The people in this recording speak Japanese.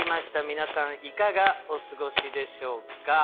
皆さんいかがお過ごしでしょう。